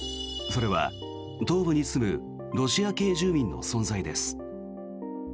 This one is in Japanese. それは東部に住むロシア系住民の存在です。